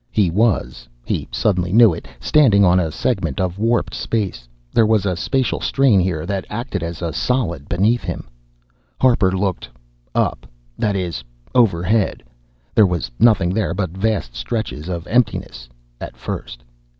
He was he suddenly knew it standing on a segment of warped space! There was a spacial strain here that acted as a solid beneath him! Harper looked "up" that is, overhead. There was nothing there but vast stretches of emptiness at first.